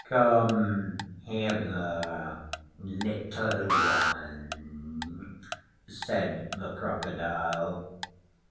'Come hither, Little One,' said the Crocodile.